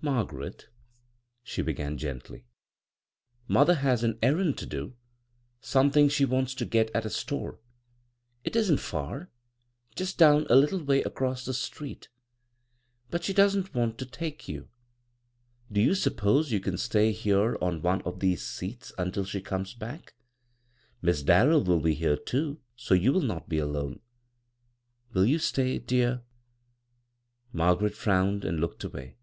"Margaret," she beg^an, gently, "mother has an errand to do— something she wants to get at a store. It isn't far — ^just down a little way across the street, but she doesn't want to take youu Do you suppose you can stay here on one of these seats until she comes back? Miss Dairell will be here too, so you will not be alone. Will you stay, dear? " Margaret frowned and looked away.